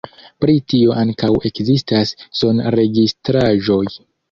Pri tio ankaŭ ekzistas sonregistraĵoj.